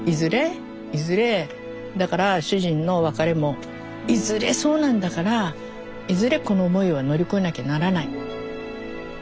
だから主人の別れもいずれそうなんだからいずれこの思いは乗り越えなきゃならない。ね？